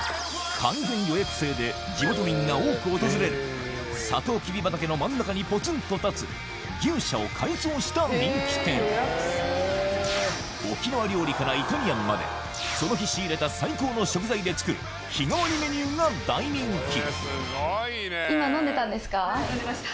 完全予約制で地元民が多く訪れるさとうきび畑の真ん中にポツンとたつ牛舎を改装した人気店沖縄料理からイタリアンまでその日仕入れた最高の食材で作る日替わりメニューが大人気飲んでました。